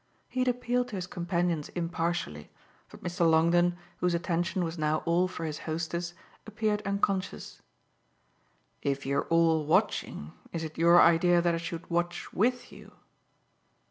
He had appealed to his companions impartially, but Mr. Longdon, whose attention was now all for his hostess, appeared unconscious. "If you're all watching is it your idea that I should watch WITH you?"